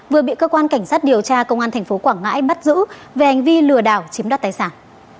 vừa bị cơ quan cảnh sát điều tra công an tp quảng ngãi bắt giữ về hành vi lừa đảo chiếm đoạt tài sản